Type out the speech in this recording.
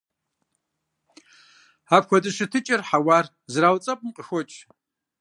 Апхуэдэ щытыкӏэр хьэуар зэрауцӀэпӀым къыхокӀ.